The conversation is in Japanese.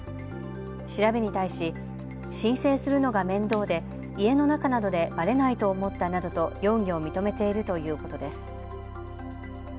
調べに対し申請するのが面倒で家の中なのでばれないと思ったなどと容疑を認めているということです。